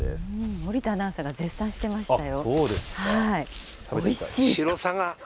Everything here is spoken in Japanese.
森田アナウンサーが絶賛していましたよ。